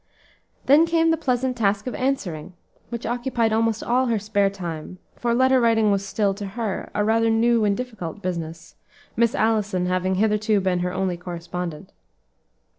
Then came the pleasant task of answering, which occupied almost all her spare time, for letter writing was still, to her, a rather new and difficult business, Miss Allison having hitherto been her only correspondent.